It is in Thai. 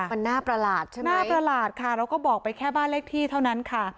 มันน่าประหลาดใช่ไหมน่าประหลาดค่ะเราก็บอกไปแค่บ้านเลขที่เท่านั้นค่ะ